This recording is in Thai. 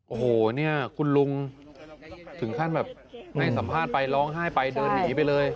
โอ้โหเนี่ยคุณลุงถึงขั้นแบบให้สัมภาษณ์ไปร้องไห้ไปเดินหนีไปเลย